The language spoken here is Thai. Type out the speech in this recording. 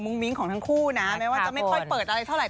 มิ้งของทั้งคู่นะแม้ว่าจะไม่ค่อยเปิดอะไรเท่าไห